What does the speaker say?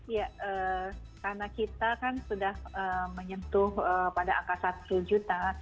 ya karena kita kan sudah menyentuh pada angka satu juta